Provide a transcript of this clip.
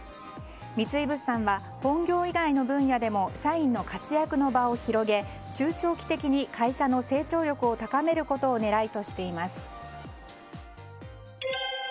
三井物産は本業以外の分野でも社員の活躍の場を広げ中長期的に会社の成長力を高めることを狙いとしています。